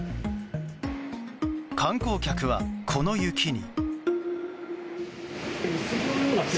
観光客は、この雪に。